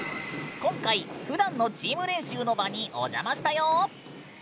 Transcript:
今回ふだんのチーム練習の場にお邪魔したよ。